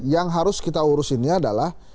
yang harus kita urusinnya adalah